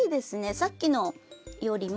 さっきのよりも。